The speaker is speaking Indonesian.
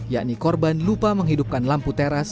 yakni korban lupa menghidupkan lampu teras